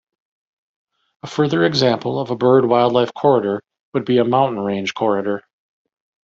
A further example of a bird wildlife corridor would be a mountain range corridor.